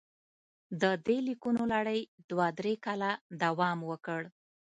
د دې لیکونو لړۍ دوه درې کاله دوام وکړ.